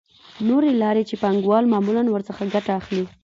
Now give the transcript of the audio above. نورې لارې چې پانګوال معمولاً ورڅخه ګټه اخلي